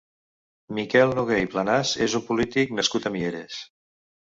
Miquel Noguer i Planas és un polític nascut a Mieres.